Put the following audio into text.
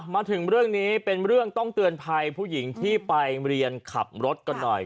มาถึงเรื่องนี้เป็นเรื่องต้องเตือนภัยผู้หญิงที่ไปเรียนขับรถกันหน่อย